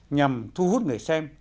nhằm thu hút người xem